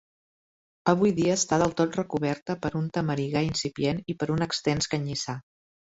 Avui dia està del tot recoberta per un tamarigar incipient i per un extens canyissar.